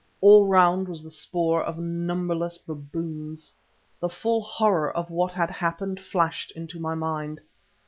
All round was the spoor of numberless baboons. The full horror of what had happened flashed into my mind.